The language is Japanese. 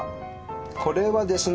これはですね